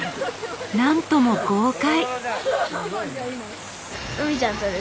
なんとも豪快。